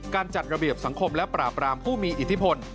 จัดระเบียบสังคมและปราบรามผู้มีอิทธิพล